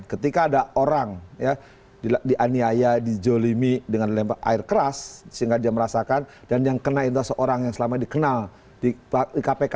ketika ada orang dianiaya dijolimi dengan lempar air keras sehingga dia merasakan dan yang kena itu seorang yang selama dikenal di kpk